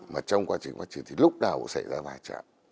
mà trong quá trình phát triển thì lúc nào cũng xảy ra va chạm